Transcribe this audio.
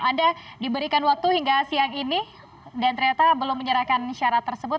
anda diberikan waktu hingga siang ini dan ternyata belum menyerahkan syarat tersebut